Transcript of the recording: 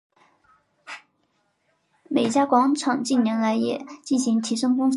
美嘉广场近年来也进行提升工程以吸引更多商家入住。